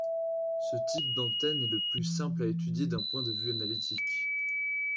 Ce type d'antenne est le plus simple à étudier d'un point de vue analytique.